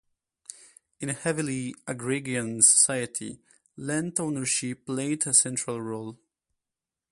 In a heavily agrarian society, land ownership played a central role.